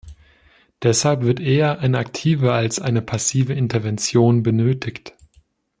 Deshalb wird eher eine aktive als eine passive Intervention benötigt.